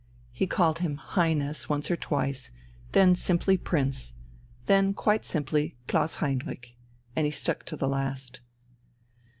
He called him "Highness" once or twice, then simply "Prince," then quite simply "Klaus Heinrich." And he stuck to the last.